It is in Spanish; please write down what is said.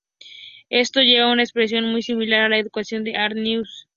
Esto lleva a una expresión muy similar a la ecuación de Arrhenius.